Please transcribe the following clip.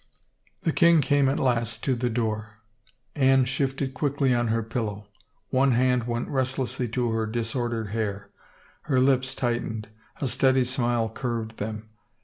The king came at last to the door, Anne shifted quickly on her pillow; one hand went restlessly to her disordered hair. Her lips tightened; a steady smile curved them.